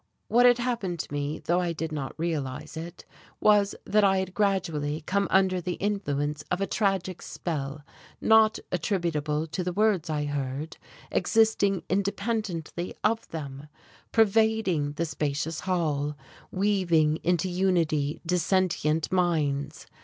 What had happened to me, though I did not realize it, was that I had gradually come under the influence of a tragic spell not attributable to the words I heard, existing independently of them, pervading the spacious hall, weaving into unity dissentient minds.